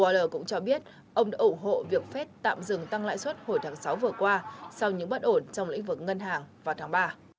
url cũng cho biết ông đã ủng hộ việc phép tạm dừng tăng lãi suất hồi tháng sáu vừa qua sau những bất ổn trong lĩnh vực ngân hàng vào tháng ba